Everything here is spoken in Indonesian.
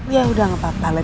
ya udah gak apa apalah